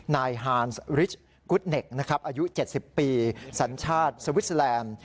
นายฮานริชกุดเน็กนะครับอายุ๗๐ปีสัญชาติสวิสเตอร์แลนด์